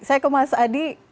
saya ke mas adi